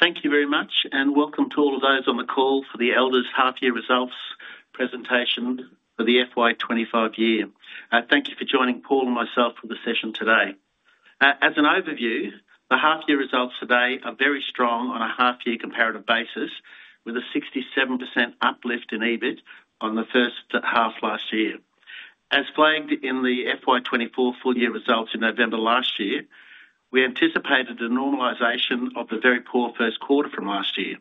Thank you very much, and welcome to all of those on the call for the Elders Half-Year Results Presentation For The FY25 year. Thank you for joining Paul and myself for the session today. As an overview, the half-year results today are very strong on a half-year comparative basis, with a 67% uplift in EBIT on the first half last year. As flagged in the FY24 full-year results in November last year, we anticipated a normalisation of the very poor first quarter from last year.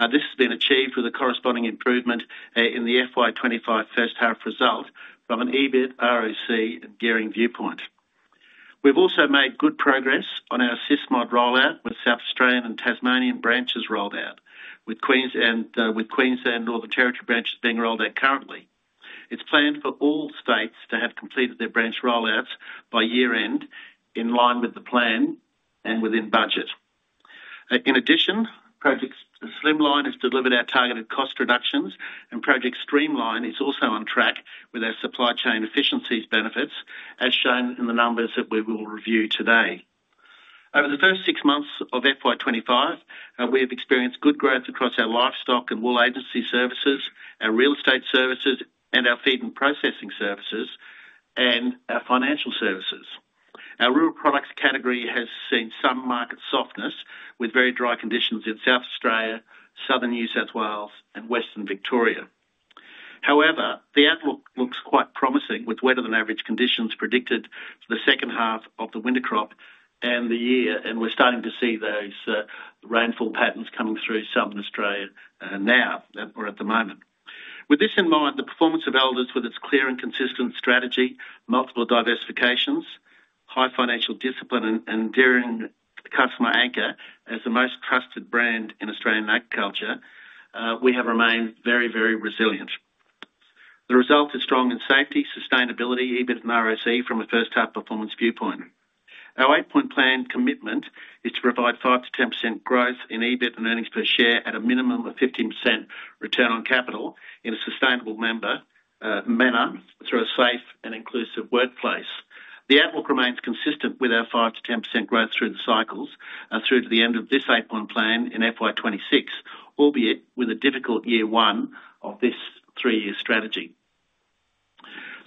This has been achieved with a corresponding improvement in the FY25 first half result from an EBIT, ROC, and gearing viewpoint. We've also made good progress on our Sysmod rollout with South Australian and Tasmanian branches rolled out, with Queensland and Northern Territory branches being rolled out currently. It's planned for all states to have completed their branch rollouts by year-end, in line with the plan and within budget. In addition, Project Slimline has delivered our targeted cost reductions, and Project Streamline is also on track with our supply chain efficiencies benefits, as shown in the numbers that we will review today. Over the first six months of FY25, we have experienced good growth across our livestock and wool agency services, our real estate services, and our feed and processing services, and our financial services. Our rural products category has seen some market softness with very dry conditions in South Australia, southern New South Wales, and western Victoria. However, the outlook looks quite promising with wetter-than-average conditions predicted for the second half of the winter crop and the year, and we're starting to see those rainfall patterns coming through southern Australia now or at the moment. With this in mind, the performance of Elders, with its clear and consistent strategy, multiple diversifications, high financial discipline, and enduring customer anchor as the most trusted brand in Australian agriculture, we have remained very, very resilient. The result is strong in safety, sustainability, EBIT, and ROC from a first-half performance viewpoint. Our eight-point planned commitment is to provide 5-10% growth in EBIT and earnings per share at a minimum of 15% return on capital in a sustainable manner through a safe and inclusive workplace. The outlook remains consistent with our 5-10% growth through the cycles through to the end of this eight-point plan in FY2026, albeit with a difficult year one of this three-year strategy.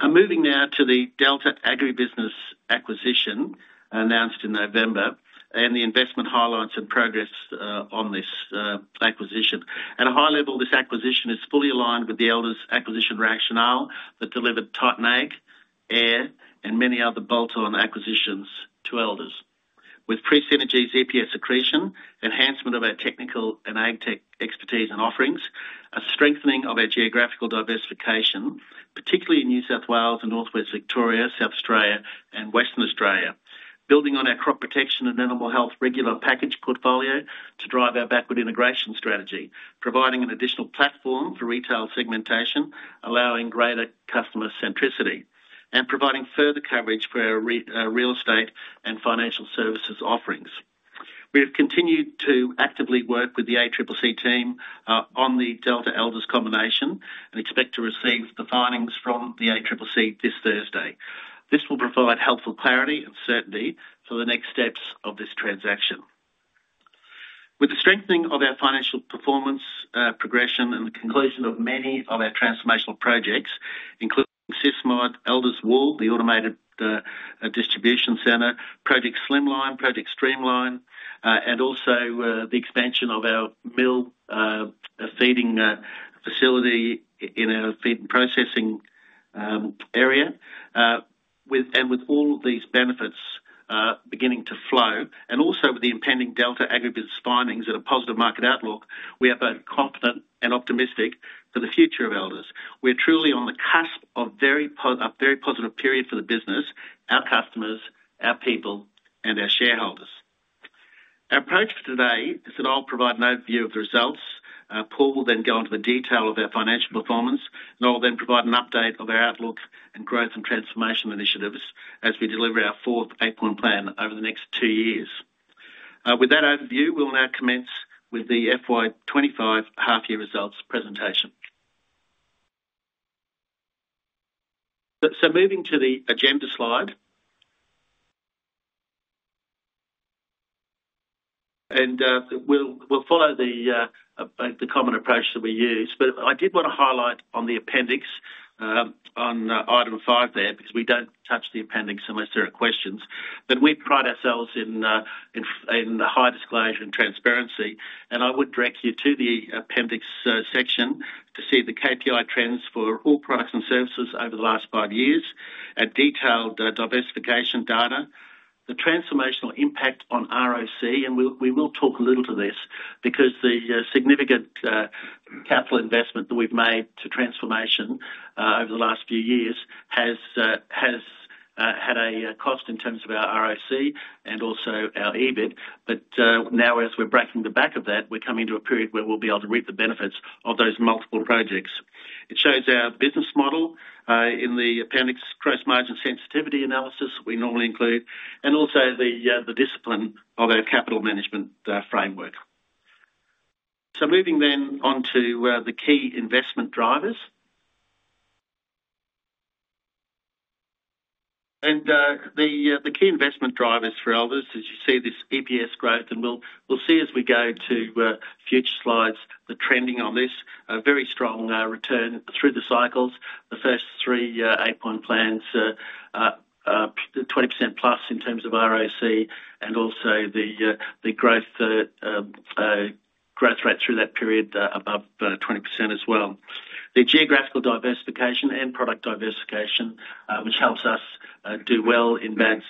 Moving now to the Delta Agribusiness acquisition announced in November and the investment highlights and progress on this acquisition. At a high level, this acquisition is fully aligned with the Elders acquisition rationale that delivered Titan Ag, Air, and many other bolt-on acquisitions to Elders. With pre-synergies EPS accretion, enhancement of our technical and ag tech expertise and offerings, a strengthening of our geographical diversification, particularly in New South Wales and northwest Victoria, South Australia, and Western Australia, building on our crop protection and animal health regular package portfolio to drive our backward integration strategy, providing an additional platform for retail segmentation, allowing greater customer centricity, and providing further coverage for our real estate and financial services offerings. We have continued to actively work with the ACCC team on the Delta Elders combination and expect to receive the findings from the ACCC this Thursday. This will provide helpful clarity and certainty for the next steps of this transaction. With the strengthening of our financial performance progression and the conclusion of many of our transformational projects, including SysMod, Elders Wool, the automated Distribution Center, Project Slimline, Project Streamline, and also the expansion of our mill feeding facility in our Feed and Processing area, and with all of these benefits beginning to flow, and also with the impending Delta Agribusiness findings and a positive market outlook, we are both confident and optimistic for the future of Elders. We're truly on the cusp of a very positive period for the business, our customers, our people, and our shareholders. Our approach for today is that I'll provide an overview of the results. Paul will then go into the detail of our financial performance, and I'll then provide an update of our outlook and growth and transformation initiatives as we deliver our fourth eight-point plan over the next two years. With that overview, we'll now commence with the FY25 half-year results presentation. Moving to the agenda slide. We'll follow the common approach that we use, but I did want to highlight on the appendix on item five there because we don't touch the appendix unless there are questions, that we pride ourselves in high disclosure and transparency. I would direct you to the appendix section to see the KPI trends for all products and services over the last five years, detailed diversification data, the transformational impact on ROC, and we will talk a little to this because the significant capital investment that we've made to transformation over the last few years has had a cost in terms of our ROC and also our EBIT. Now, as we're breaking the back of that, we're coming to a period where we'll be able to reap the benefits of those multiple projects. It shows our business model in the appendix, gross margin sensitivity analysis we normally include, and also the discipline of our capital management framework. Moving then on to the key investment drivers. The key investment drivers for Elders, as you see this EPS growth, and we'll see as we go to future slides the trending on this, a very strong return through the cycles, the first three eight-point plans, 20% plus in terms of ROC, and also the growth rate through that period above 20% as well. The geographical diversification and product diversification, which helps us do well in bad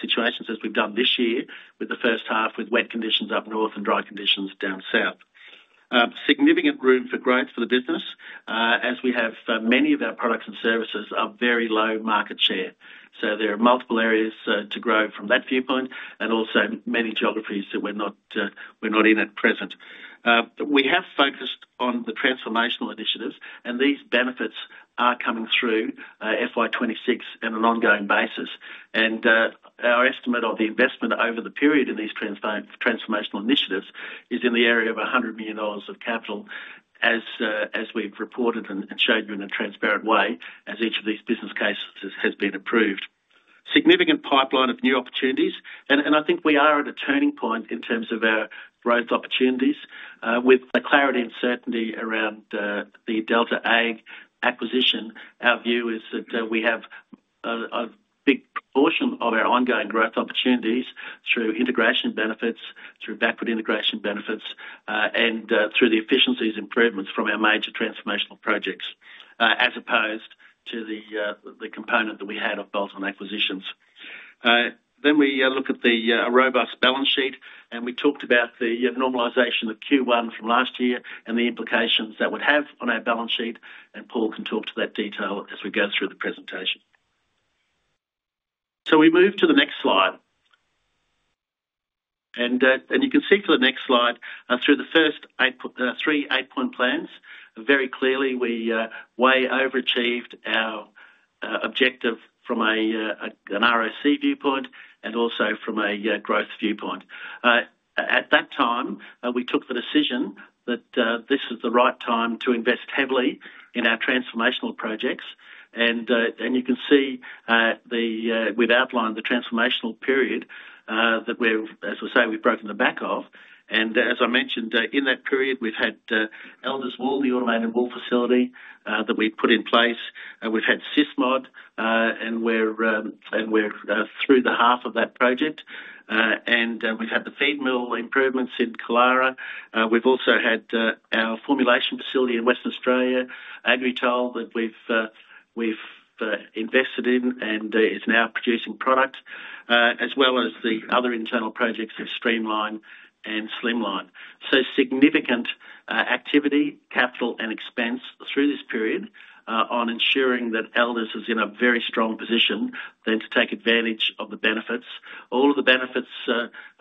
situations as we've done this year with the first half with wet conditions up north and dry conditions DownSouth. Significant room for growth for the business as we have many of our products and services are very low market share. There are multiple areas to grow from that viewpoint and also many geographies that we're not in at present. We have focused on the transformational initiatives, and these benefits are coming through FY26 on an ongoing basis. Our estimate of the investment over the period in these transformational initiatives is in the area of 100 million dollars of capital as we've reported and showed you in a transparent way as each of these business cases has been approved. Significant pipeline of new opportunities, and I think we are at a turning point in terms of our growth opportunities. With the clarity and certainty around the Delta Agribusiness acquisition, our view is that we have a big portion of our ongoing growth opportunities through integration benefits, through backward integration benefits, and through the efficiencies improvements from our major transformational projects as opposed to the component that we had of bolt-on acquisitions. We look at the robust balance sheet, and we talked about the normalisation of Q1 from last year and the implications that would have on our balance sheet, and Paul can talk to that detail as we go through the presentation. We move to the next slide. You can see for the next slide, through the first three eight-point plans, very clearly we way overachieved our objective from an ROC viewpoint and also from a growth viewpoint. At that time, we took the decision that this was the right time to invest heavily in our transformational projects. You can see we have outlined the transformational period that we are, as we say, we have broken the back of. As I mentioned, in that period, we have had Elders Wool, the automated wool facility that we have put in place. We have had SysMod, and we are through the half of that project. We have had the feed mill improvements in Kialla. We have also had our formulation facility in Western Australia, Agritoll, that we have invested in and is now producing product, as well as the other internal projects of Streamline and Slimline. Significant activity, capital, and expense through this period on ensuring that Elders is in a very strong position then to take advantage of the benefits. All of the benefits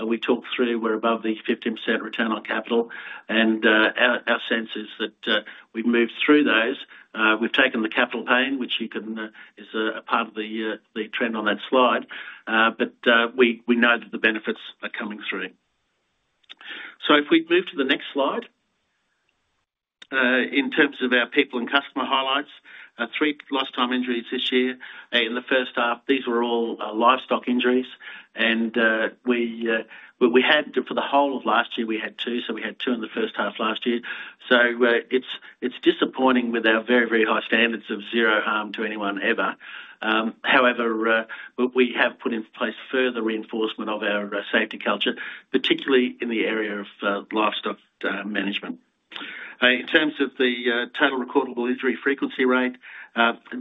we talked through were above the 15% return on capital, and our sense is that we've moved through those. We've taken the capital pain, which is a part of the trend on that slide, but we know that the benefits are coming through. If we move to the next slide, in terms of our people and customer highlights, three lifetime injuries this year. In the first half, these were all livestock injuries, and for the whole of last year, we had two, so we had two in the first half last year. It is disappointing with our very, very high standards of zero harm to anyone ever. However, we have put in place further reinforcement of our safety culture, particularly in the area of livestock management. In terms of the total recordable injury frequency rate,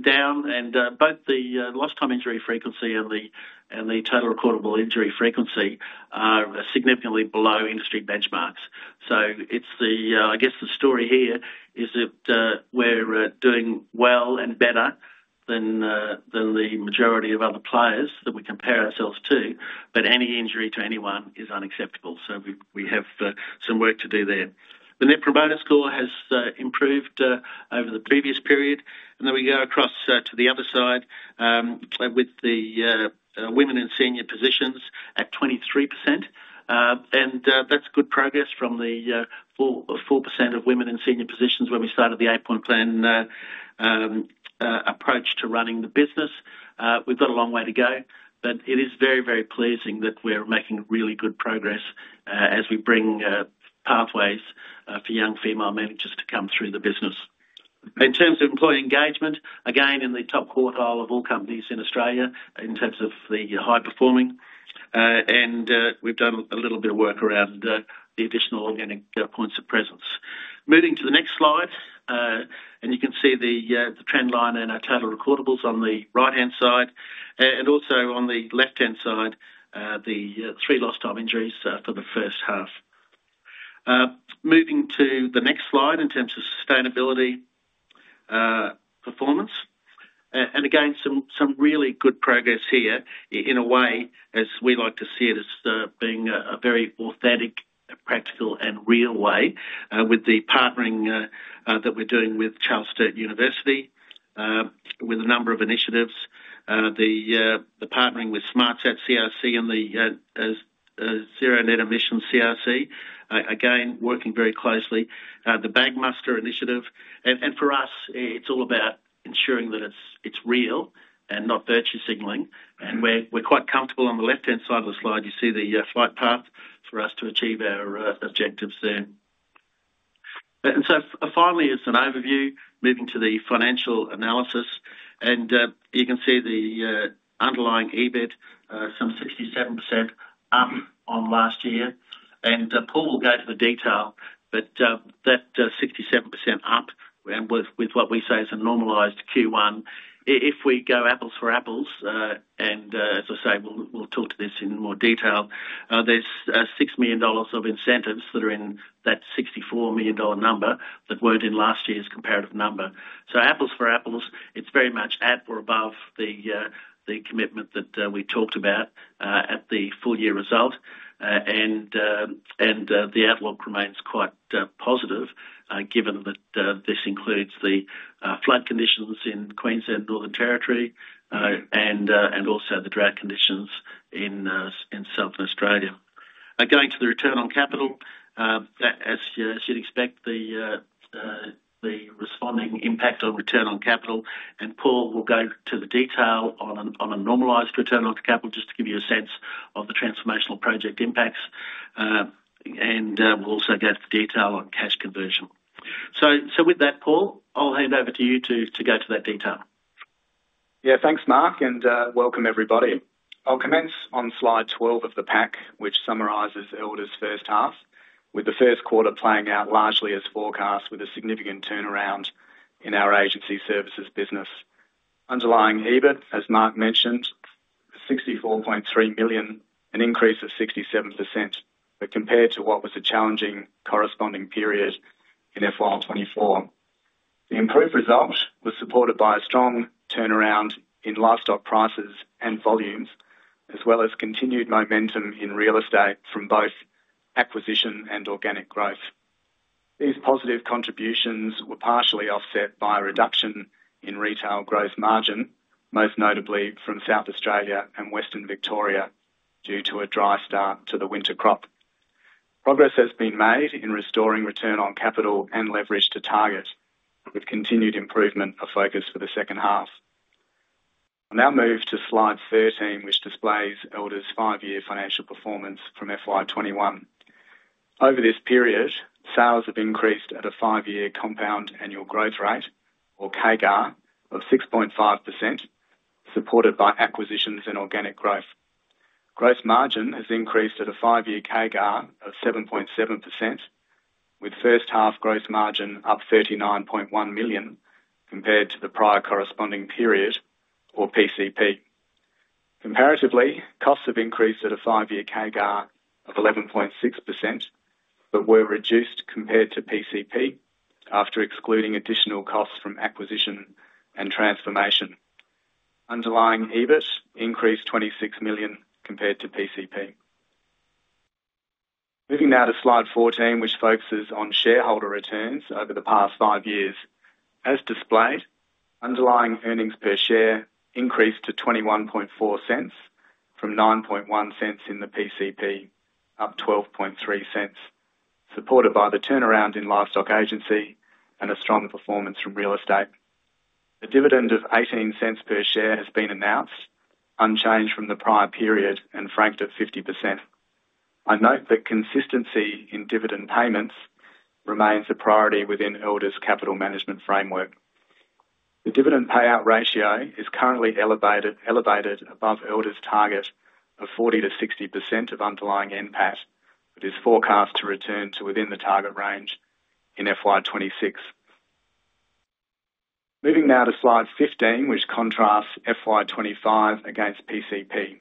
down, and both the lifetime injury frequency and the total recordable injury frequency are significantly below industry benchmarks. I guess the story here is that we're doing well and better than the majority of other players that we compare ourselves to, but any injury to anyone is unacceptable. We have some work to do there. The Net Promoter Score has improved over the previous period, and then we go across to the other side with the women in senior positions at 23%. That's good progress from the 4% of women in senior positions when we started the eight-point plan approach to running the business. We've got a long way to go, but it is very, very pleasing that we're making really good progress as we bring pathways for young female managers to come through the business. In terms of employee engagement, again, in the top quartile of all companies in Australia in terms of the high performing, and we've done a little bit of work around the additional organic points of presence. Moving to the next slide, you can see the trend line and our total recordables on the right-hand side, and also on the left-hand side, the three lifetime injuries for the first half. Moving to the next slide in terms of sustainability performance. Again, some really good progress here in a way, as we like to see it, as being a very authentic, practical, and real way with the partnering that we're doing with Charles Sturt University, with a number of initiatives, the partnering with SmartSat CRC and the Zero Net Emissions CRC, again, working very closely, the Bagmaster initiative. For us, it's all about ensuring that it's real and not virtue signalling. We're quite comfortable on the left-hand side of the slide. You see the flight path for us to achieve our objectives there. Finally, it's an overview moving to the financial analysis. You can see the underlying EBIT, some 67% up on last year. Paul will go to the detail, but that 67% up with what we say is a normalised Q1, if we go apples for apples. As I say, we'll talk to this in more detail. There's 6 million dollars of incentives that are in that 64 million dollar number that were not in last year's comparative number. Apples for Apples, it's very much at or above the commitment that we talked about at the full year result. The outlook remains quite positive given that this includes the flood conditions in Queensland, Northern Territory, and also the drought conditions in South Australia. Going to the return on capital, as you'd expect, the responding impact on return on capital. Paul will go to the detail on a normalised return on capital just to give you a sense of the transformational project impacts. We'll also go to the detail on cash conversion. With that, Paul, I'll hand over to you to go to that detail. Yeah, thanks, Mark, and welcome everybody. I'll commence on slide 12 of the pack, which summarises Elders' first half, with the first quarter playing out largely as forecast with a significant turnaround in our agency services business. Underlying EBIT, as Mark mentioned, 64.3 million, an increase of 67%, but compared to what was a challenging corresponding period in FY2024. The improved result was supported by a strong turnaround in livestock prices and volumes, as well as continued momentum in real-estate from both acquisition and organic growth. These positive contributions were partially offset by a reduction in retail growth margin, most notably from South Australia and Western Victoria due to a dry start to the winter crop. Progress has been made in restoring return on capital and leverage to target, with continued improvement of focus for the second half. I'll now move to slide 13, which displays Elders' five-year financial performance from FY2021. Over this period, sales have increased at a five-year compound annual growth rate, or CAGR, of 6.5%, supported by acquisitions and organic growth. Gross margin has increased at a five-year CAGR of 7.7%, with first half gross margin up 39.1 million compared to the prior corresponding period, or PCP. Comparatively, costs have increased at a five-year CAGR of 11.6%, but were reduced compared to PCP after excluding additional costs from acquisition and transformation. Underlying EBIT increased 26 million compared to PCP. Moving now to slide 14, which focuses on shareholder returns over the past five years. As displayed, underlying earnings per share increased to 0.214 from 0.091 in the PCP, up 0.123, supported by the turnaround in livestock agency and a strong performance from real estate. A dividend of 0.18 per share has been announced, unchanged from the prior period and franked at 50%. I note that consistency in dividend payments remains a priority within Elders' capital management framework. The dividend payout ratio is currently elevated above Elders' target of 40-60% of underlying NPAT, but is forecast to return to within the target range in FY2026. Moving now to slide 15, which contrasts FY25 against PCP.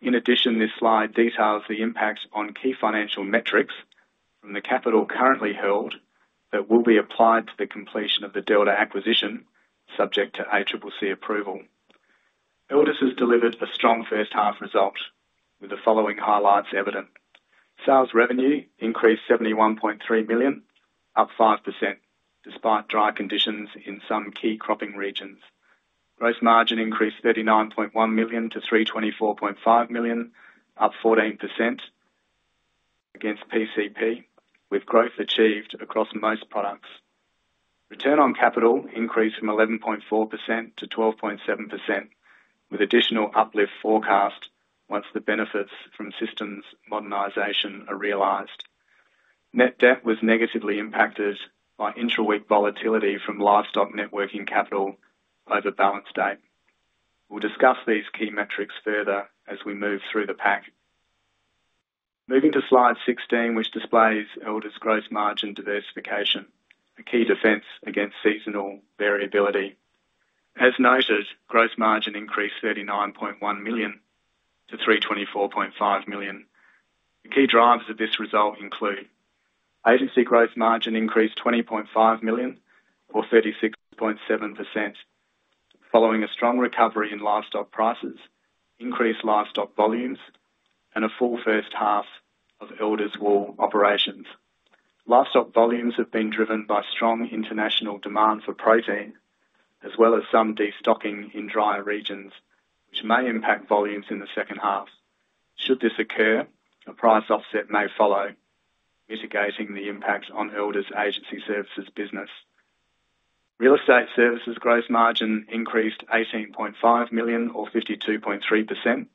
In addition, this slide details the impact on key financial metrics from the capital currently held that will be applied to the completion of the Delta acquisition, subject to ACCC approval. Elders has delivered a strong first half result with the following highlights evident. Sales revenue increased 71.3 million, up 5%, despite dry conditions in some key cropping regions. Gross margin increased 39.1 million to 324.5 million, up 14% against PCP, with growth achieved across most products. Return on capital increased from 11.4% to 12.7%, with additional uplift forecast once the benefits from systems modernisation are realised. Net debt was negatively impacted by intra-week volatility from livestock networking capital over balance date. We will discuss these key metrics further as we move through the pack. Moving to slide 16, which displays Elders' gross margin diversification, a key defense against seasonal variability. As noted, gross margin increased 39.1 million to 324.5 million. The key drivers of this result include agency gross margin increased 20.5 million, or 36.7%, following a strong recovery in livestock prices, increased livestock volumes, and a full first half of Elders' wool operations. Livestock volumes have been driven by strong international demand for protein, as well as some destocking in drier regions, which may impact volumes in the second half. Should this occur, a price offset may follow, mitigating the impact on Elders' agency services business. Real estate services gross margin increased 18.5 million, or 52.3%,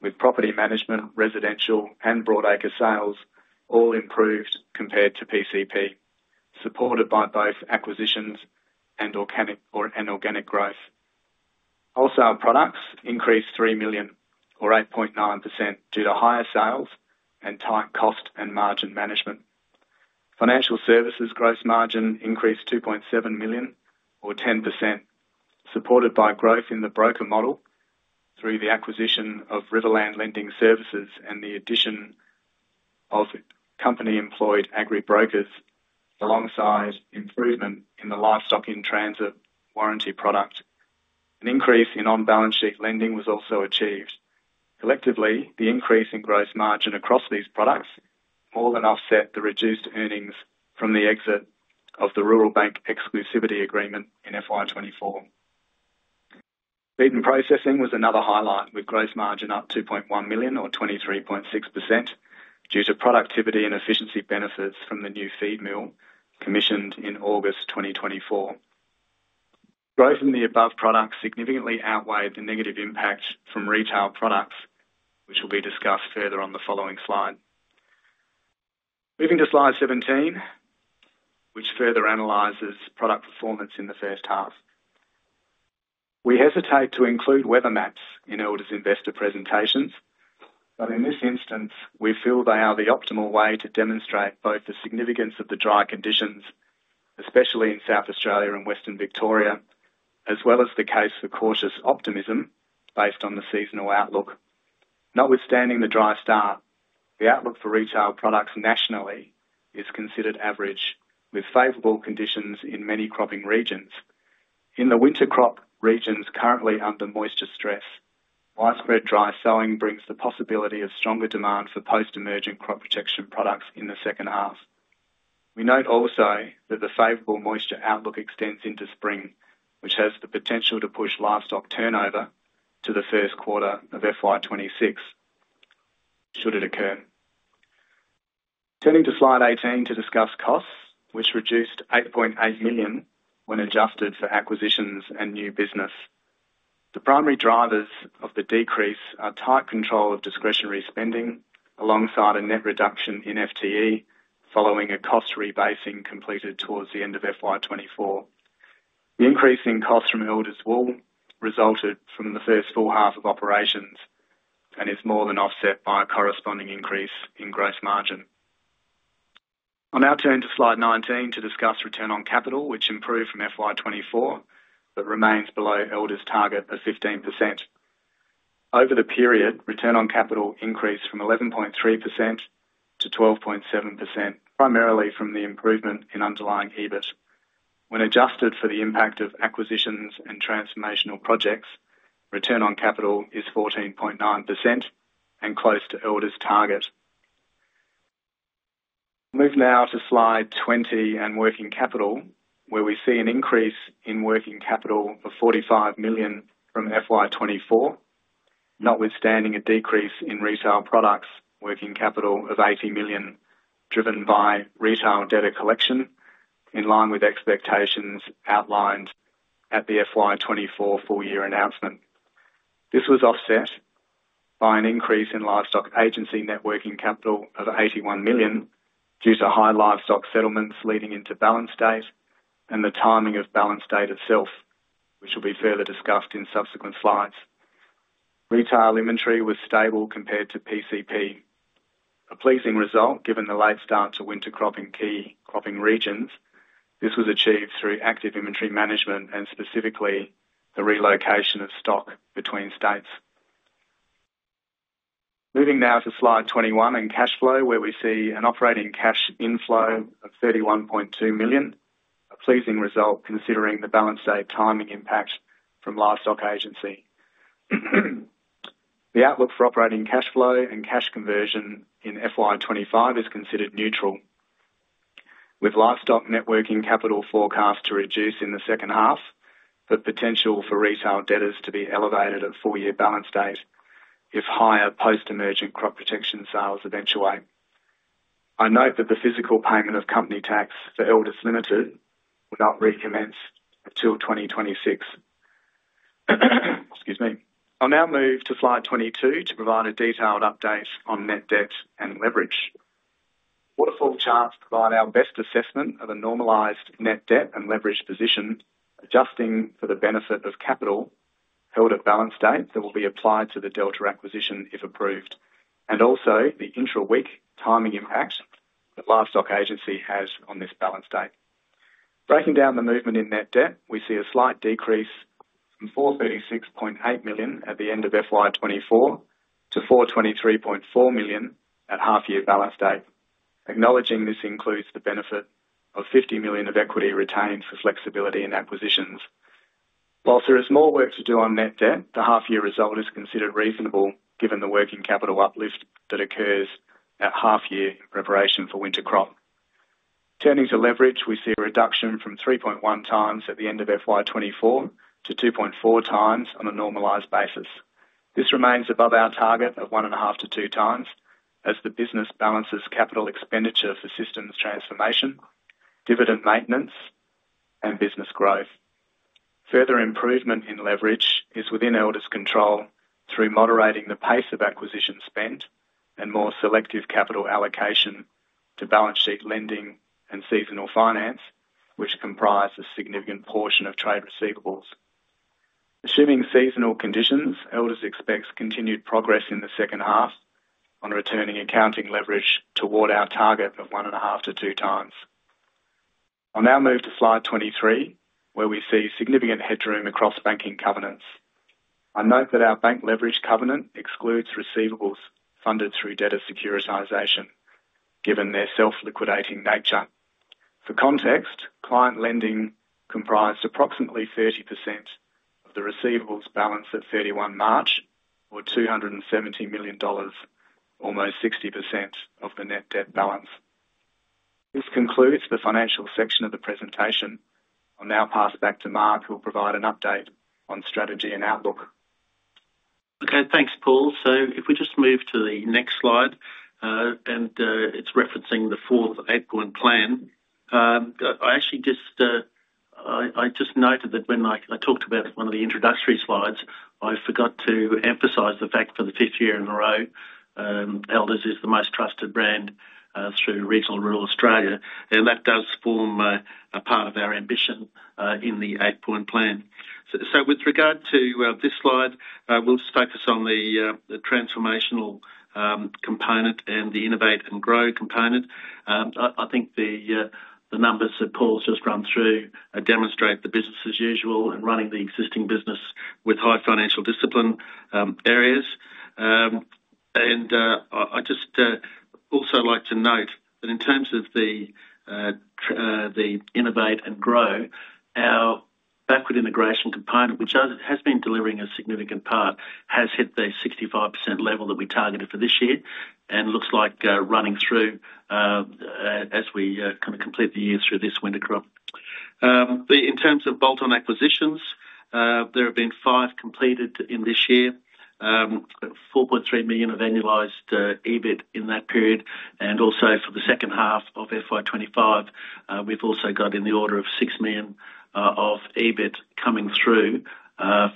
with property management, residential, and broadacre sales all improved compared to PCP, supported by both acquisitions and organic growth. Wholesale products increased 3 million, or 8.9%, due to higher sales and tight cost and margin management. Financial services gross margin increased 2.7 million, or 10%, supported by growth in the broker model through the acquisition of Riverland Lending Services and the addition of company-employed agri-brokers, alongside improvement in the livestock in transit warranty product. An increase in on-balance sheet lending was also achieved. Collectively, the increase in gross margin across these products more than offset the reduced earnings from the exit of the Rural Bank Exclusivity Agreement in FY 2024. Feed and processing was another highlight, with gross margin up 2.1 million, or 23.6%, due to productivity and efficiency benefits from the new feed mill commissioned in August 2024. Growth in the above products significantly outweighed the negative impact from retail products, which will be discussed further on the following slide. Moving to slide 17, which further analyses product performance in the first half. We hesitate to include weather maps in Elders' investor presentations, but in this instance, we feel they are the optimal way to demonstrate both the significance of the dry conditions, especially in South Australia and Western Victoria, as well as the case for cautious optimism based on the seasonal outlook. Notwithstanding the dry start, the outlook for retail products nationally is considered average, with favorable conditions in many cropping regions. In the winter crop regions currently under moisture stress, widespread dry sowing brings the possibility of stronger demand for post-emergent crop protection products in the second half. We note also that the favorable moisture outlook extends into spring, which has the potential to push livestock turnover to the first quarter of FY26 should it occur. Turning to slide 18 to discuss costs, which reduced 8.8 million when adjusted for acquisitions and new business. The primary drivers of the decrease are tight control of discretionary spending alongside a net reduction in FTE following a cost rebasing completed towards the end of FY2024. The increase in costs from Elders Wool resulted from the first full half of operations and is more than offset by a corresponding increase in gross margin. I'll now turn to slide 19 to discuss return on capital, which improved from FY2024 but remains below Elders' target of 15%. Over the period, return on capital increased from 11.3% to 12.7%, primarily from the improvement in underlying EBIT. When adjusted for the impact of acquisitions and transformational projects, return on capital is 14.9% and close to Elders' target. Move now to slide 20 and working capital, where we see an increase in working capital of 45 million from FY24, notwithstanding a decrease in retail products working capital of 80 million, driven by retail debtor collection in line with expectations outlined at the FY24 full year announcement. This was offset by an increase in livestock agency networking capital of 81 million due to high livestock settlements leading into balance date and the timing of balance date itself, which will be further discussed in subsequent slides. Retail inventory was stable compared to PCP, a pleasing result given the late start to winter cropping key cropping regions. This was achieved through active inventory management and specifically the relocation of stock between states. Moving now to slide 21 and cash flow, where we see an operating Cash inflow of 31.2 million, a pleasing result considering the balance date timing impact from livestock agency. The outlook for operating Cash flow and Cash conversion in FY25 is considered neutral, with livestock networking capital forecast to reduce in the second half, but potential for retail debtors to be elevated at full year balance date if higher post-emergent crop protection sales eventually. I note that the physical payment of company tax for Elders Limited will not recommence until 2026. Excuse me. I'll now move to slide 22 to provide a detailed update on net debt and leverage. What are full charts to provide our best assessment of a normalised net debt and leverage position, adjusting for the benefit of capital held at balance date that will be applied to the Delta acquisition if approved, and also the intra-week timing impact that livestock agency has on this balance date. Breaking down the movement in net debt, we see a slight decrease from 436.8 million at the end of FY24 to 423.4 million at half-year balance date. Acknowledging this includes the benefit of 50 million of equity retained for flexibility in acquisitions. While there is more work to do on net debt, the half-year result is considered reasonable given the working capital uplift that occurs at half-year in preparation for winter crop. Turning to leverage, we see a reduction from 3.1 times at the end of FY24 to 2.4 times on a normalised basis. This remains above our target of one and a half to two times as the business balances capital expenditure for systems transformation, dividend maintenance, and business growth. Further improvement in leverage is within Elders' control through moderating the pace of acquisition spend and more selective capital allocation to balance sheet lending and seasonal finance, which comprise a significant portion of trade receivables. Assuming seasonal conditions, Elders expects continued progress in the second half on returning accounting leverage toward our target of one and a half to two times. I will now move to slide 23, where we see significant headroom across banking covenants. I note that our bank leverage covenant excludes receivables funded through debtor securitisation, given their self-liquidating nature. For context, client lending comprised approximately 30% of the receivables balance at 31 March, or 270 million dollars, almost 60% of the net debt balance. This concludes the financial section of the presentation. I'll now pass back to Mark, who will provide an update on strategy and outlook. Okay, thanks, Paul. If we just move to the next slide, and it's referencing the fourth outgoing plan. I actually just noted that when I talked about one of the introductory slides, I forgot to emphasize the fact for the fifth year in a row, Elders is the most trusted brand through Rural regions of Australia, and that does form a part of our ambition in the outgoing plan. With regard to this slide, we'll just focus on the transformational component and the innovate and grow component. I think the numbers that Paul's just run through demonstrate the business as usual and running the existing business with high financial discipline areas. I just also like to note that in terms of the innovate and grow, our backward integration component, which has been delivering a significant part, has hit the 65% level that we targeted for this year and looks like running through as we kind of complete the year through this winter crop. In terms of bolt-on acquisitions, there have been five completed in this year, 4.3 million of annualised EBIT in that period. Also for the second half of FY25, we have in the order of 6 million of EBIT coming through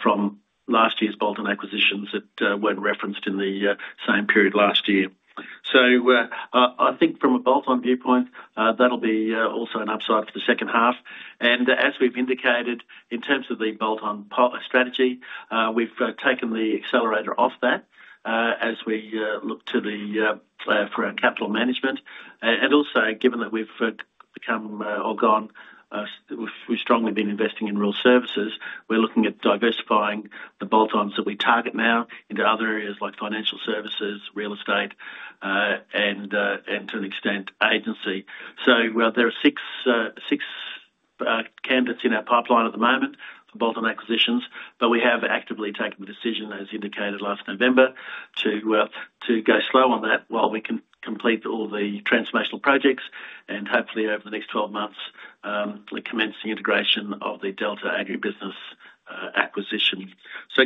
from last year's bolt-on acquisitions that were not referenced in the same period last year. I think from a bolt-on viewpoint, that will be also an upside for the second half. As we have indicated, in terms of the bolt-on strategy, we have taken the accelerator off that as we look to the for our capital management. Also, given that we've become or gone, we've strongly been investing in real services. We're looking at diversifying the bolt-ons that we target now into other areas like financial services, real estate, and to an extent agency. There are six candidates in our pipeline at the moment for bolt-on acquisitions, but we have actively taken the decision, as indicated last November, to go slow on that while we can complete all the transformational projects and hopefully over the next 12 months commence the integration of the Delta Agribusiness acquisition.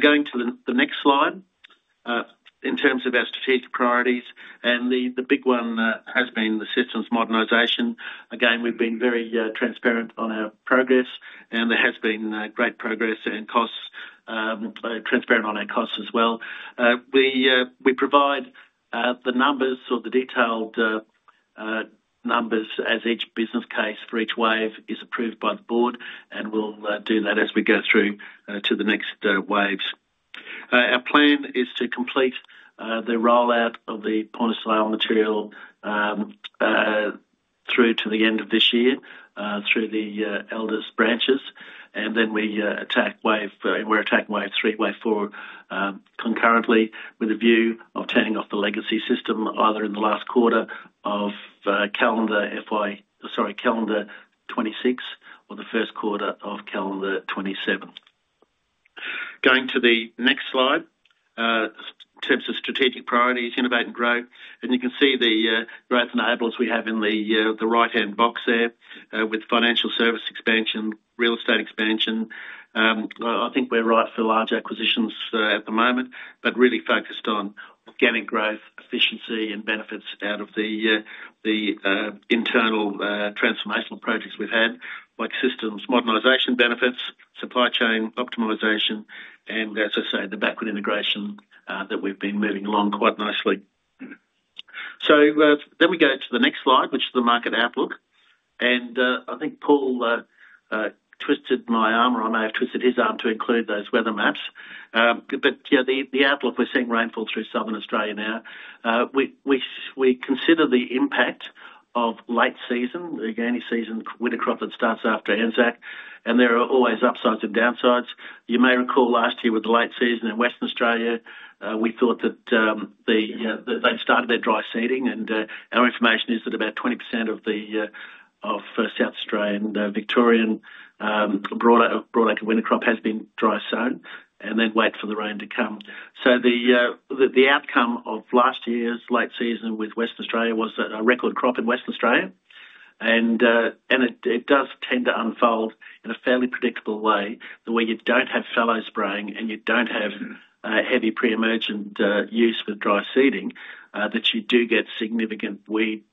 Going to the next slide, in terms of our strategic priorities, the big one has been the systems modernisation. Again, we've been very transparent on our progress, and there has been great progress and transparent on our costs as well. We provide the numbers or the detailed numbers as each business case for each wave is approved by the board, and we'll do that as we go through to the next waves. Our plan is to complete the rollout of the point of sale material through to the end of this year through the Elders' branches, and then we attack wave and we're attacking wave three, wave four concurrently with a view of turning off the legacy system either in the last quarter of calendar 2026 or the first quarter of calendar 2027. Going to the next slide, in terms of strategic priorities, innovate and grow, and you can see the growth enablers we have in the right-hand box there with financial service expansion, real estate expansion. I think we're right for large acquisitions at the moment, but really focused on organic growth, efficiency, and benefits out of the internal transformational projects we've had like systems modernisation benefits, supply chain optimisation, and as I say, the backward integration that we've been moving along quite nicely. We go to the next slide, which is the market outlook, and I think Paul twisted my arm or I may have twisted his arm to include those weather maps. The outlook, we're seeing rainfall through southern Australia now. We consider the impact of late season, the early season winter crop that starts after ANZAC, and there are always upsides and downsides. You may recall last year with the late season in Western Australia, we thought that they'd started their dry seeding, and our information is that about 20% of South Australian and Victorian broadacre winter crop has been dry sown and then wait for the rain to come. The outcome of last year's late season with Western Australia was a record crop in Western Australia, and it does tend to unfold in a fairly predictable way that where you do not have fallow spraying and you do not have heavy pre-emergent use with dry seeding, you do get significant weed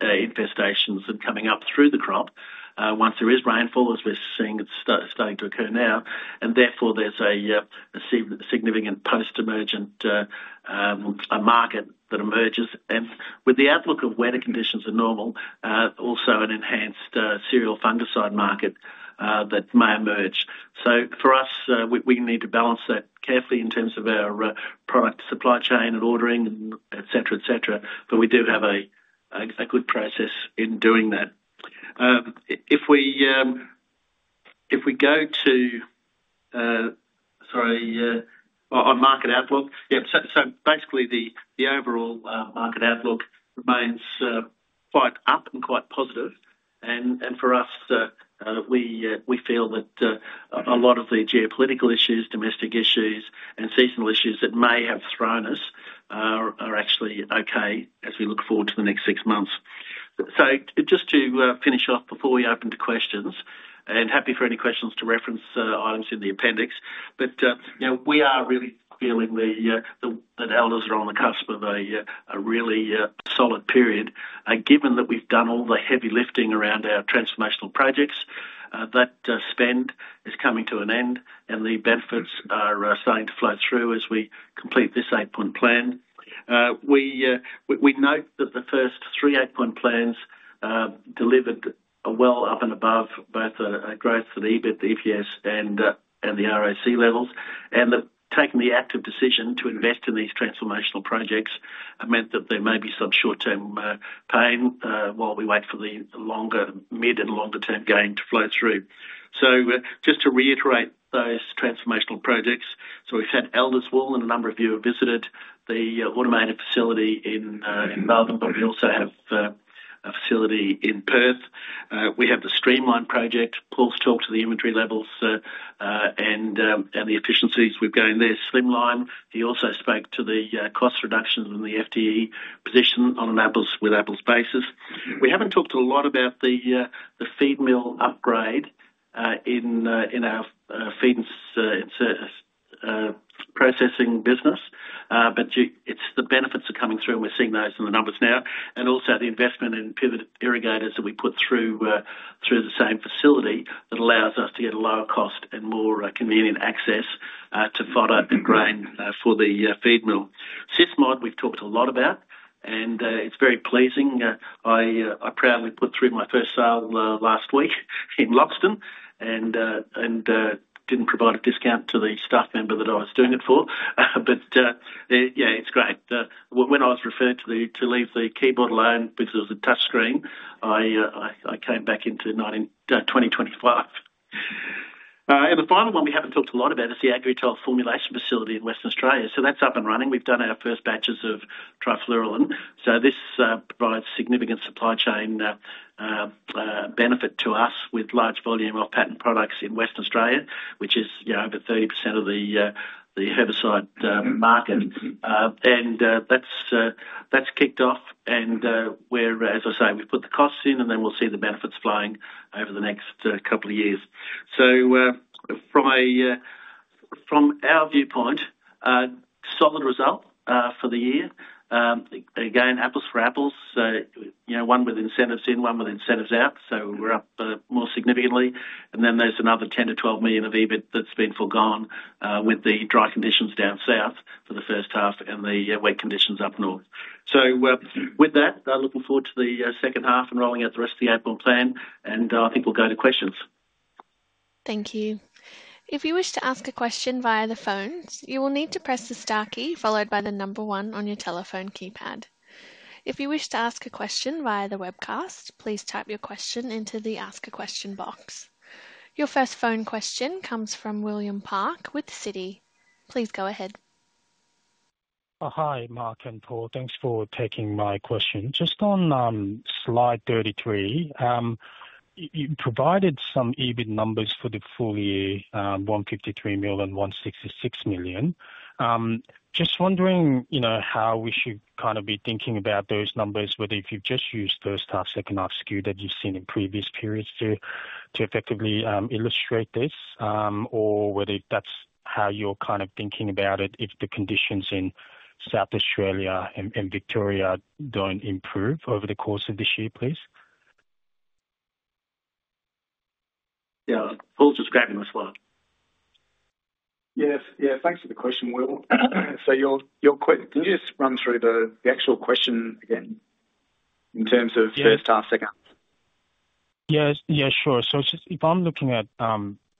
infestations coming up through the crop once there is rainfall, as we are seeing it starting to occur now. Therefore, there is a significant post-emergent market that emerges. With the outlook of weather conditions and normal, also an enhanced cereal fungicide market that may emerge. For us, we need to balance that carefully in terms of our product supply chain and ordering, etc., but we do have a good process in doing that. If we go to, sorry, our market outlook, yeah, basically the overall market outlook remains quite up and quite positive, and for us, we feel that a lot of the geopolitical issues, domestic issues, and seasonal issues that may have thrown us are actually okay as we look forward to the next six months. Just to finish off before we open to questions, and happy for any questions to reference items in the appendix, we are really feeling that Elders are on the cusp of a really solid period. Given that we've done all the heavy lifting around our transformational projects, that spend is coming to an end, and the benefits are starting to flow through as we complete this eight-point plan. We note that the first three eight-point plans delivered well up and above both a growth for the EBIT, the EPS, and the ROC levels, and that taking the active decision to invest in these transformational projects meant that there may be some short-term pain while we wait for the longer, mid and longer-term gain to flow through. Just to reiterate those transformational projects, we've had Elders Wool and a number of you have visited the automated facility in Melbourne, but we also have a facility in Perth. We have the Streamline project, Paul's talked to the inventory levels and the efficiencies we've gained there, Slimline. He also spoke to the cost reductions and the FTE position on an Apples-to-Apples basis. We haven't talked a lot about the feed mill upgrade in our Feed and Processing business, but the benefits are coming through, and we're seeing those in the numbers now, and also the investment in pivot irrigators that we put through the same facility that allows us to get a lower cost and more convenient access to fodder and grain for the feed mill. SysMod, we've talked a lot about, and it's very pleasing. I proudly put through my first sale last week in Loxton and didn't provide a discount to the staff member that I was doing it for, but yeah, it's great. When I was referred to leave the keyboard alone because it was a touchscreen, I came back into 2025. The final one we have not talked a lot about is the Agritoll formulation facility in Western Australia. That is up and running. We have done our first batches of Trifluralin. This provides significant supply chain benefit to us with a large volume of patent products in Western Australia, which is over 30% of the herbicide market. That has kicked off, and, as I say, we have put the costs in, and we will see the benefits flowing over the next couple of years. From our viewpoint, solid result for the year. Again, Apples for Apples. One with incentives in, one with incentives out. We are up more significantly. There is another 10 million-12 million of EBIT that has been forgone with the dry conditions down south for the first half and the wet conditions up north. With that, looking forward to the second half and rolling out the rest of the eight-point plan, I think we'll go to questions. Thank you. If you wish to ask a question via the phone, you will need to press the * key followed by the number one on your telephone keypad. If you wish to ask a question via the webcast, please type your question into the ask a question box. Your first phone question comes from William Park with Citi. Please go ahead. Hi, Mark and Paul. Thanks for taking my question. Just on slide 33, you provided some EBIT numbers for the full year, 153 million, 166 million. Just wondering how we should kind of be thinking about those numbers, whether if you've just used first half, second half skew that you've seen in previous periods to effectively illustrate this, or whether that's how you're kind of thinking about it if the conditions in South Australia and Victoria don't improve over the course of this year, please. Yeah, Paul's just grabbing my slide. Yes, yeah, thanks for the question, Will. So can you just run through the actual question again in terms of first half, second half? Yeah, sure. So if I'm looking at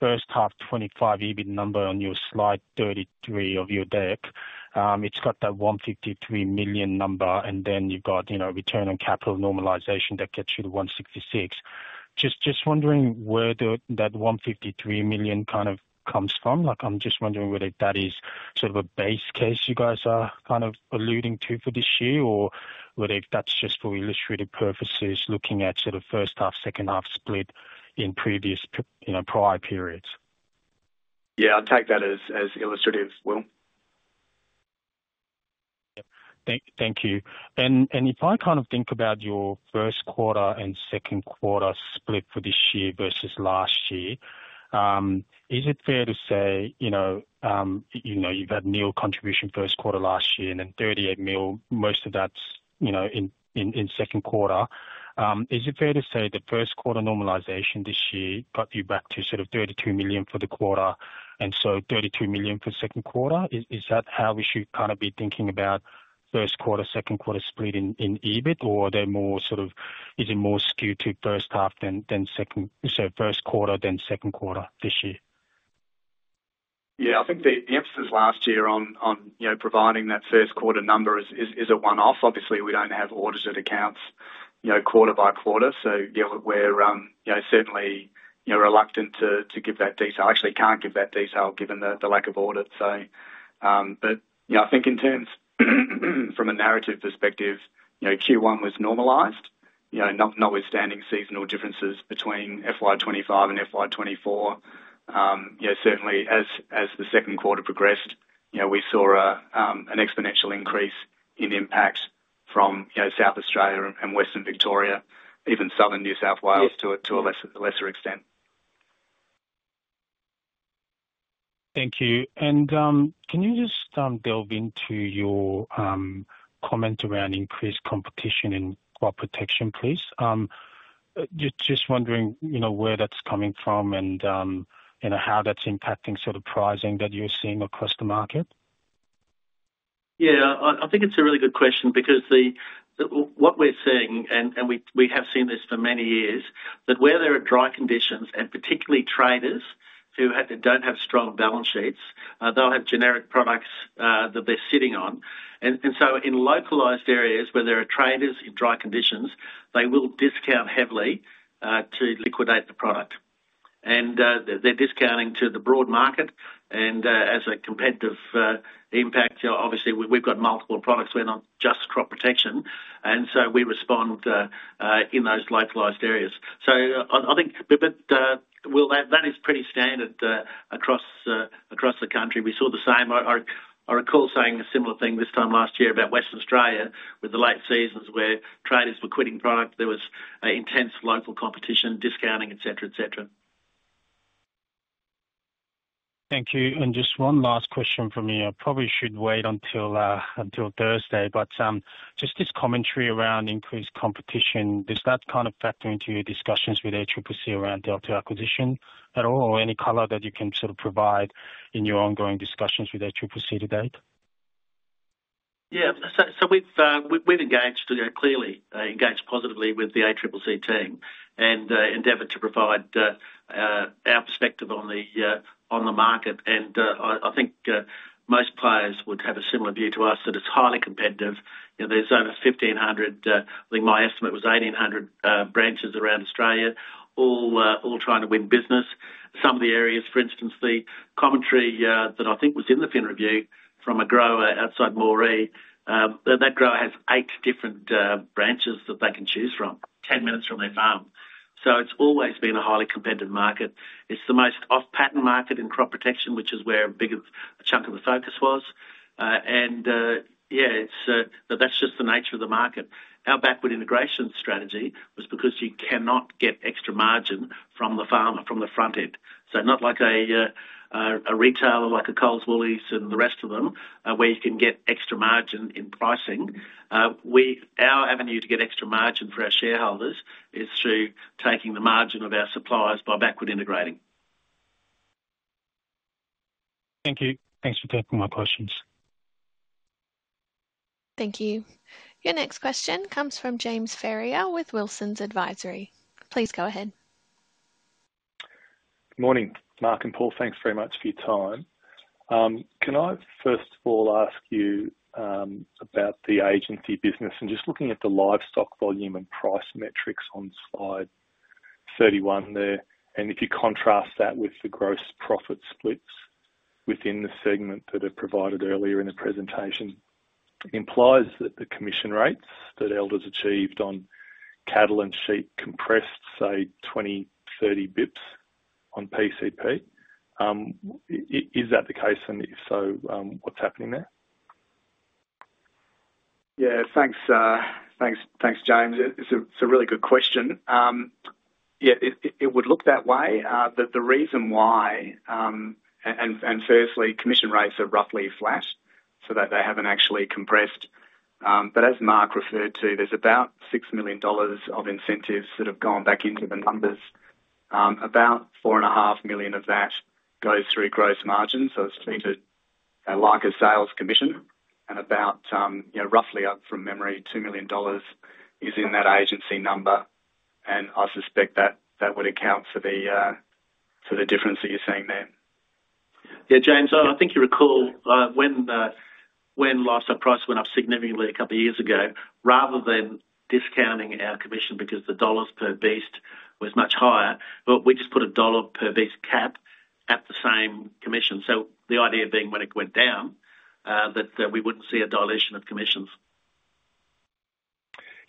first half 2025 EBIT number on your slide 33 of your deck, it's got that 153 million number, and then you've got return on capital normalisation that gets you to 166 million. Just wondering where that 153 million kind of comes from. I'm just wondering whether that is sort of a base case you guys are kind of alluding to for this year, or whether that's just for illustrative purposes looking at sort of first half, second half split in previous prior periods. Yeah, I'll take that as illustrative, Will. Yep, thank you. If I kind of think about your first quarter and second quarter split for this year versus last year, is it fair to say you've had nil contribution first quarter last year and then 38 million, most of that's in second quarter? Is it fair to say that first quarter normalisation this year got you back to sort of 32 million for the quarter and so 32 million for second quarter? Is that how we should kind of be thinking about first quarter, second quarter split in EBIT, or are they more sort of is it more skewed to first half, then second, so first quarter, then second quarter this year? Yeah, I think the emphasis last year on providing that first quarter number is a one-off. Obviously, we do not have audited accounts quarter by quarter, so yeah, we are certainly reluctant to give that detail. Actually, cannot give that detail given the lack of audit. I think in terms from a narrative perspective, Q1 was normalised, notwithstanding seasonal differences between FY25 and FY24. Certainly, as the second quarter progressed, we saw an exponential increase in impact from South Australia and Western Victoria, even southern New South Wales to a lesser extent. Thank you. Can you just delve into your comment around increased competition in crop protection, please? Just wondering where that's coming from and how that's impacting sort of pricing that you're seeing across the market. Yeah, I think it's a really good question because what we're seeing, and we have seen this for many years, that where there are dry conditions, and particularly traders who don't have strong balance sheets, they'll have generic products that they're sitting on. In localized areas where there are traders in dry conditions, they will discount heavily to liquidate the product. They're discounting to the broad market, and as a competitive impact, obviously, we've got multiple products. We're not just crop protection, and we respond in those localized areas. I think, but Will, that is pretty standard across the country. We saw the same. I recall saying a similar thing this time last year about Western Australia with the late seasons where traders were quitting product. There was intense local competition, discounting, etc., etc. Thank you. Just one last question for me. I probably should wait until Thursday, but just this commentary around increased competition, does that kind of factor into your discussions with ACCC around Delta acquisition at all, or any color that you can sort of provide in your ongoing discussions with ACCC to date? Yeah, we have engaged clearly, engaged positively with the ACCC team and endeavored to provide our perspective on the market. I think most players would have a similar view to us that it is highly competitive. There are over 1,500, I think my estimate was 1,800 branches around Australia, all trying to win business. Some of the areas, for instance, the commentary that I think was in the Fin Review from a grower outside Moree, that grower has eight different branches that they can choose from, 10 minutes from their farm. It has always been a highly competitive market. It is the most off-patent market in crop protection, which is where a big chunk of the focus was. Yeah, that is just the nature of the market. Our backward integration strategy was because you cannot get extra margin from the farmer, from the front end. Not like a retailer like a Coles, Woolies, and the rest of them where you can get extra margin in pricing. Our avenue to get extra margin for our shareholders is through taking the margin of our suppliers by backward integrating. Thank you. Thanks for taking my questions. Thank you. Your next question comes from James Ferrier with Wilsons Advisory. Please go ahead. Good morning, Mark and Paul. Thanks very much for your time. Can I first of all ask you about the agency business and just looking at the livestock volume and price metrics on slide 31 there? If you contrast that with the gross profit splits within the segment that are provided earlier in the presentation, it implies that the commission rates that Elders achieved on cattle and sheep compressed, say, 20-30 basis points on PCP. Is that the case? If so, what's happening there? Yeah, thanks. Thanks, James. It's a really good question. Yeah, it would look that way. The reason why, and firstly, commission rates are roughly flat so that they have not actually compressed. As Mark referred to, there is about 6 million dollars of incentives that have gone back into the numbers. About four and a half million of that goes through gross margins, so it's treated like a sales commission. And about roughly, from memory, 2 million dollars is in that agency number. I suspect that would account for the difference that you're seeing there. Yeah, James, I think you recall when livestock price went up significantly a couple of years ago, rather than discounting our commission because the dollars per beast was much higher, we just put a dollar per beast cap at the same commission. The idea being when it went down, that we wouldn't see a dilution of commissions.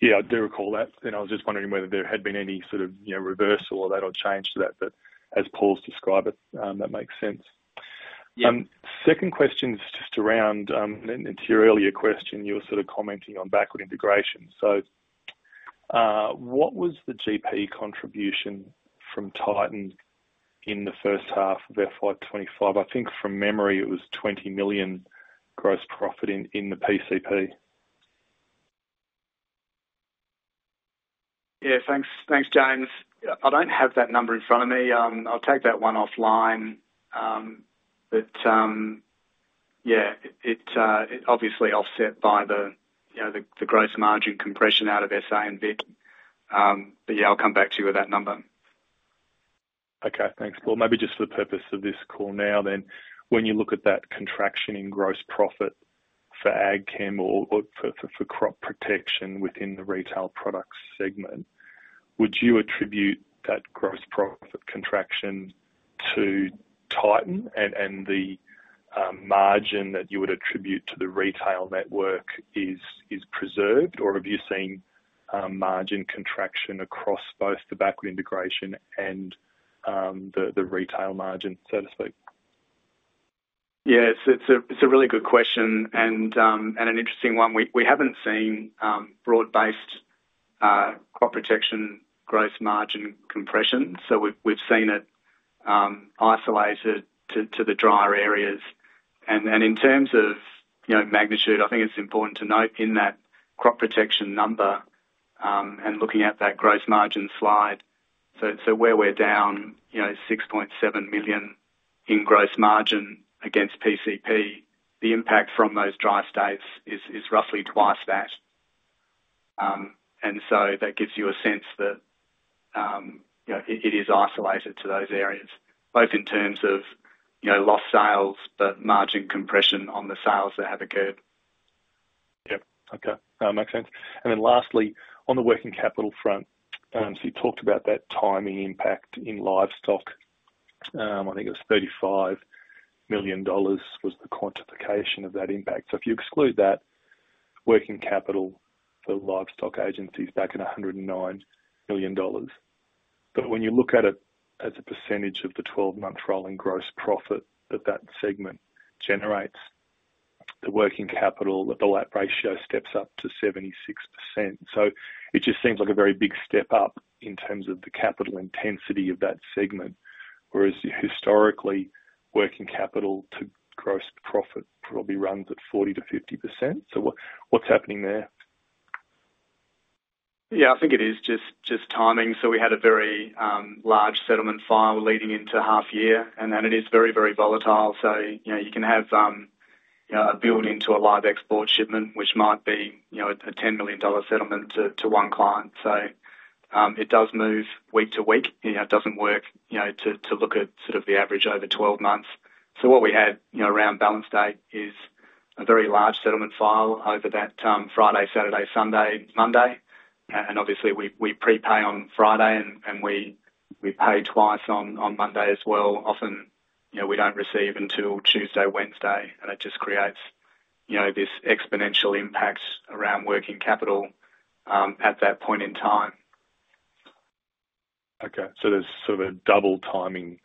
Yeah, I do recall that. I was just wondering whether there had been any sort of reversal or that or change to that, but as Paul's described it, that makes sense. Second question is just around, and to your earlier question, you were sort of commenting on backward integration. What was the GP contribution from Titan in the first half of FY25? I think from memory, it was 20 million gross profit in the PCP. Yeah, thanks, James. I do not have that number in front of me. I will take that one offline. Yeah, it obviously offset by the gross margin compression out of SA and BIT. I will come back to you with that number. Okay, thanks. Maybe just for the purpose of this call now then, when you look at that contraction in gross profit for ag chem or for crop protection within the retail products segment, would you attribute that gross profit contraction to Titan and the margin that you would attribute to the retail network is preserved, or have you seen margin contraction across both the backward integration and the retail margin, so to speak? Yeah, it's a really good question and an interesting one. We haven't seen broad-based crop protection gross margin compression. We've seen it isolated to the drier areas. In terms of magnitude, I think it's important to note in that crop protection number and looking at that gross margin slide, where we're down 6.7 million in gross margin against PCP, the impact from those dry states is roughly twice that. That gives you a sense that it is isolated to those areas, both in terms of lost sales, but margin compression on the sales that have occurred. Yeah, okay. That makes sense. Lastly, on the working capital front, you talked about that timing impact in livestock. I think it was 35 million dollars was the quantification of that impact. If you exclude that, working capital for livestock agencies is back at 109 million dollars. When you look at it as a percentage of the 12-month rolling gross profit that that segment generates, the working capital, the LAP ratio, steps up to 76%. It just seems like a very big step up in terms of the capital intensity of that segment, whereas historically, working capital to gross profit probably runs at 40-50%. What is happening there? Yeah, I think it is just timing. We had a very large settlement file leading into half year, and then it is very, very volatile. You can have a build into a live export shipment, which might be an 10 million dollar settlement to one client. It does move week to week. It does not work to look at sort of the average over 12 months. What we had around balance date is a very large settlement file over that Friday, Saturday, Sunday, Monday. Obviously, we prepay on Friday, and we pay twice on Monday as well. Often, we do not receive until Tuesday, Wednesday, and it just creates this exponential impact around working capital at that point in time. Okay. There is sort of a double timing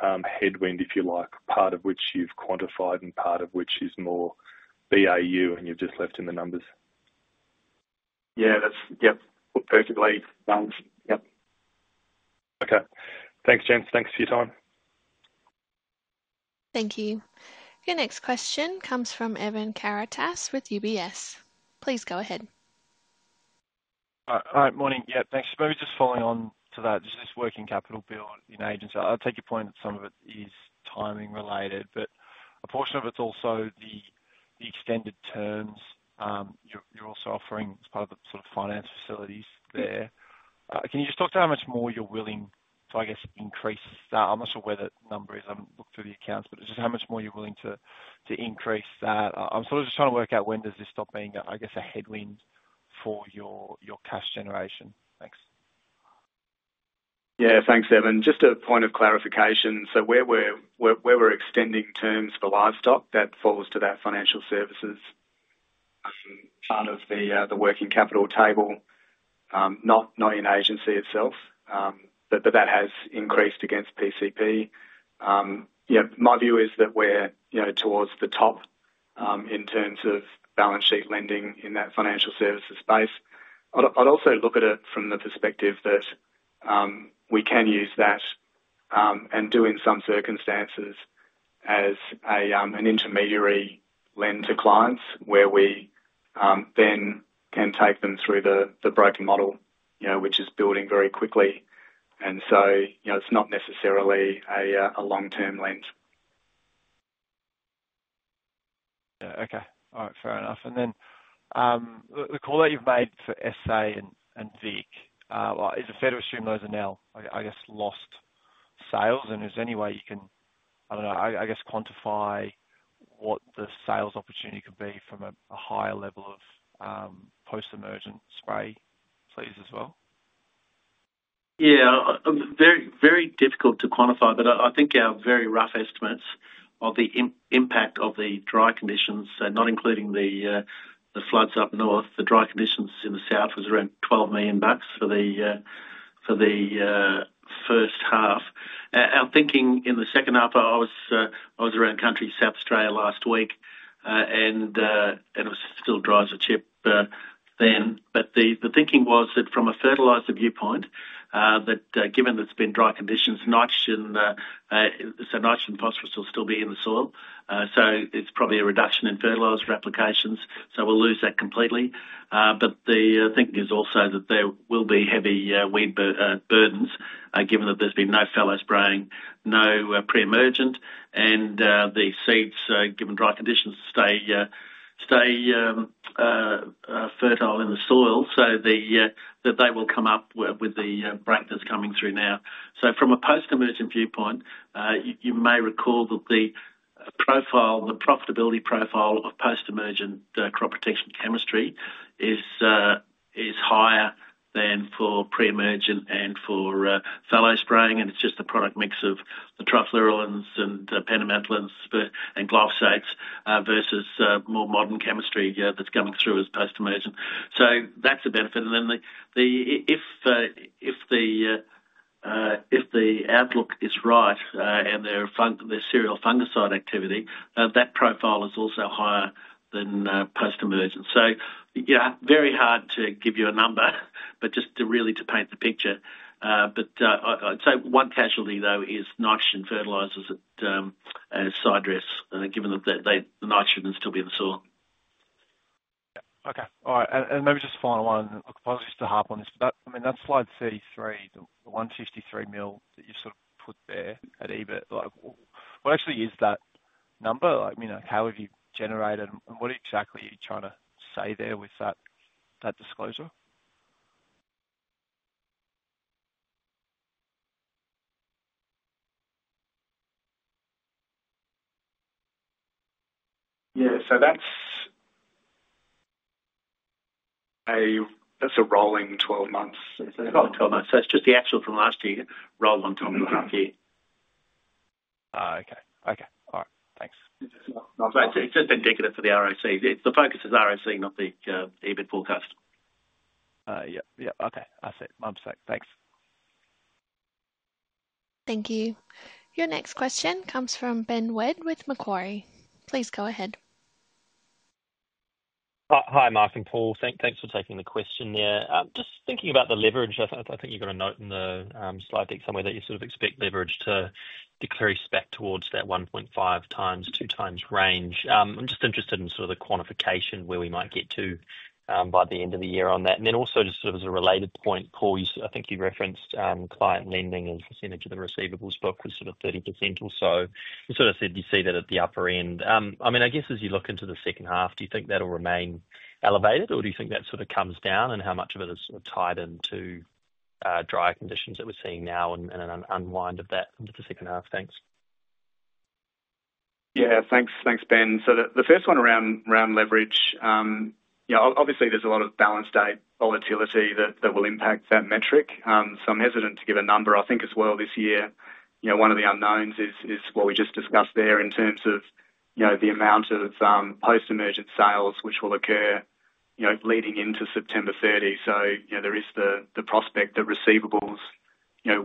headwind, if you like, part of which you have quantified and part of which is more BAU, and you have just left in the numbers. Yeah, that's yep, perfectly balanced. Yep. Okay. Thanks, James. Thanks for your time. Thank you. Your next question comes from Evan Caritas with UBS. Please go ahead. All right. Morning. Yeah, thanks. Maybe just following on to that, just this working capital bill in agency. I'll take your point that some of it is timing related, but a portion of it's also the extended terms you're also offering as part of the sort of finance facilities there. Can you just talk to how much more you're willing to, I guess, increase that? I'm not sure where that number is. I haven't looked through the accounts, but just how much more you're willing to increase that? I'm sort of just trying to work out when does this stop being, I guess, a headwind for your cash generation. Thanks. Yeah, thanks, Evan. Just a point of clarification. Where we're extending terms for livestock, that falls to that financial services part of the working capital table, not in agency itself, but that has increased against PCP. My view is that we're towards the top in terms of balance sheet lending in that financial services space. I'd also look at it from the perspective that we can use that and do, in some circumstances, as an intermediary lend to clients where we then can take them through the broken model, which is building very quickly. It is not necessarily a long-term lend. Yeah. Okay. All right. Fair enough. The call that you've made for SA and BIC, is it fair to assume those are now, I guess, lost sales? Is there any way you can, I do not know, I guess, quantify what the sales opportunity could be from a higher level of post-emergent spray please as well? Yeah. Very difficult to quantify, but I think our very rough estimates of the impact of the dry conditions, not including the floods up north, the dry conditions in the south was around 12 million bucks for the first half. Our thinking in the second half, I was around country South Australia last week, and it was still dry as a chip then. The thinking was that from a fertiliser viewpoint, that given that it has been dry conditions, nitrogen, so nitrogen phosphorus will still be in the soil. It is probably a reduction in fertiliser applications. We will lose that completely. The thinking is also that there will be heavy weed burdens given that there's been no fallow spraying, no pre-emergent, and the seeds, given dry conditions, stay fertile in the soil. They will come up with the break that's coming through now. From a post-emergent viewpoint, you may recall that the profitability profile of post-emergent crop protection chemistry is higher than for pre-emergent and for fallow spraying. It's just the product mix of the trifluralins and pendimethalins and glyphosates versus more modern chemistry that's coming through as post-emergent. That's a benefit. If the outlook is right and there's cereal fungicide activity, that profile is also higher than post-emergent. Very hard to give you a number, but just really to paint the picture. I'd say one casualty, though, is nitrogen fertilisers at side dress, given that the nitrogen is still being soiled. Yeah. Okay. All right. Maybe just final one. I'll propose just to harp on this. I mean, that slide C3, the 153 million that you sort of put there at EBIT. What actually is that number? How have you generated? What exactly are you trying to say there with that disclosure? Yeah. That's a rolling 12 months. It's not 12 months. It's just the actual from last year rolled on top of the half year. Oh, okay. Okay. All right. Thanks. It's just indicative for the ROC. The focus is ROC, not the EBIT forecast. Yep. Yep. Okay. I see. I'm sick. Thanks. Thank you. Your next question comes from Ben Wed with Macquarie. Please go ahead. Hi, Mark and Paul. Thanks for taking the question there. Just thinking about the leverage, I think you've got a note in the slide deck somewhere that you sort of expect leverage to decrease back towards that 1.5-2 times range. I'm just interested in sort of the quantification where we might get to by the end of the year on that. Also, just sort of as a related point, Paul, I think you referenced client lending and percentage of the receivables book was sort of 30% or so. You sort of said you see that at the upper end. I mean, I guess as you look into the second half, do you think that'll remain elevated, or do you think that sort of comes down, and how much of it is tied into dry conditions that we're seeing now and an unwind of that into the second half? Thanks. Yeah. Thanks, Ben. The first one around leverage, obviously, there's a lot of balance date volatility that will impact that metric. I'm hesitant to give a number. I think as well this year, one of the unknowns is what we just discussed there in terms of the amount of post-emergent sales, which will occur leading into September 30. There is the prospect that receivables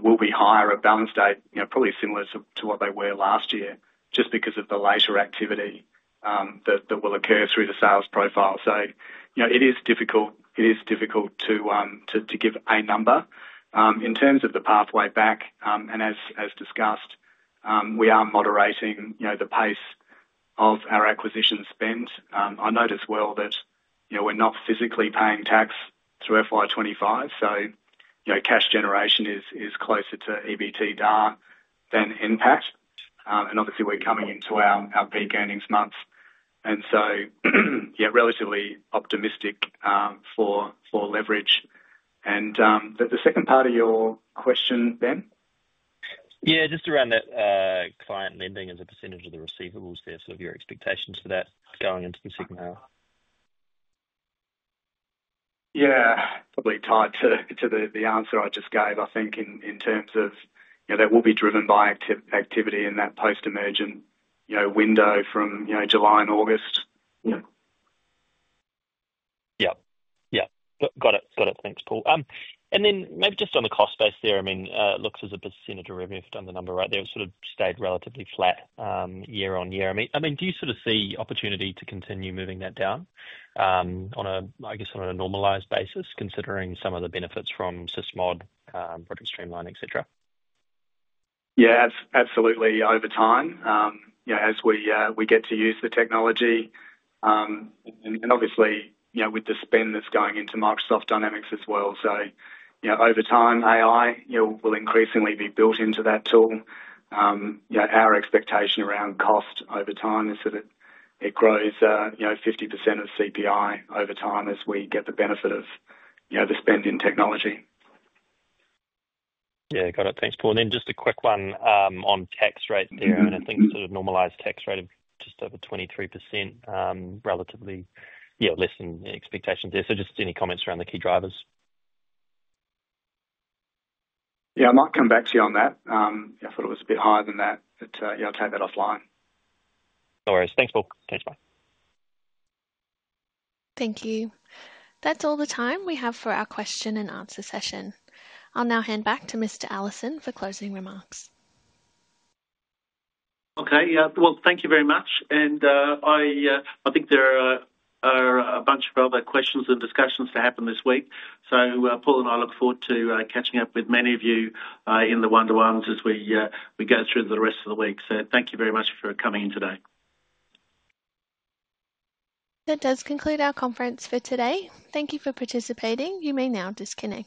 will be higher at balance date, probably similar to what they were last year, just because of the later activity that will occur through the sales profile. It is difficult. It is difficult to give a number. In terms of the pathway back, and as discussed, we are moderating the pace of our acquisition spend. I note as well that we're not physically paying tax through FY2025. Cash generation is closer to EBITDA than NPAT. Obviously, we're coming into our peak earnings months. Yeah, relatively optimistic for leverage. The second part of your question, Ben? Yeah, just around that client lending as a percentage of the receivables there, sort of your expectations for that going into the second half? Yeah, probably tied to the answer I just gave, I think, in terms of that will be driven by activity in that post-emergent window from July and August. Yeah. Yep. Got it. Thanks, Paul. Maybe just on the cost base there, I mean, it looks as a percentage or if you've done the number right there, it's sort of stayed relatively flat year-on-year. I mean, do you sort of see opportunity to continue moving that down, I guess, on a normalised basis, considering some of the benefits from SysMod, Project Streamline, etc.? Yeah, absolutely. Over time, as we get to use the technology, and obviously, with the spend that is going into Microsoft Dynamics as well. Over time, AI will increasingly be built into that tool. Our expectation around cost over time is that it grows 50% of CPI over time as we get the benefit of the spend in technology. Yeah.Got it. Thanks, Paul. And then just a quick one on tax rate there. I mean, I think sort of normalized tax rate of just over 23%, relatively less than expectations there. Just any comments around the key drivers? Yeah, I might come back to you on that. I thought it was a bit higher than that, but I will take that offline. No worries. Thanks, Paul. Thanks. Bye. Thank you. That is all the time we have for our question and answer session. I will now hand back to Mr. Thank you very much. I think there are a bunch of other questions and discussions to happen this week. Paul and I look forward to catching up with many of you in the one-to-ones as we go through the rest of the week. Thank you very much for coming in today. That does conclude our conference for today. Thank you for participating. You may now disconnect.